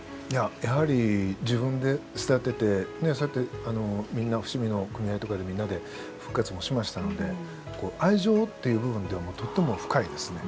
やはり自分で育ててそうやってみんな伏見の組合とかでみんなで復活もしましたので愛情っていう部分ではとっても深いですね。